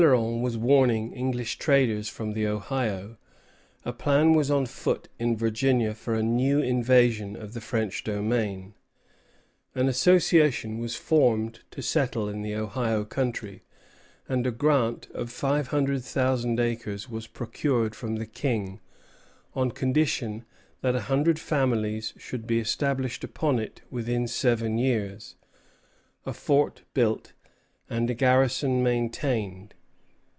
While Céloron was warning English traders from the Ohio, a plan was on foot in Virginia for a new invasion of the French domain. An association was formed to settle the Ohio country; and a grant of five hundred thousand acres was procured from the King, on condition that a hundred families should be established upon it within seven years, a fort built, and a garrison maintained.